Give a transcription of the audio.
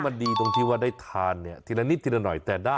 มันดีตรงที่ว่าได้ทานเนี่ยทีละนิดทีละหน่อยแต่ได้